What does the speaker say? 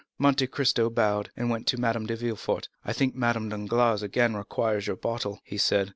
Monte Cristo bowed, and went to Madame de Villefort. "I think Madame Danglars again requires your bottle," he said.